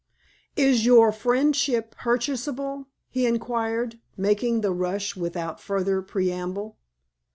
"Is your friendship purchasable?" he inquired, making the rush without further preamble.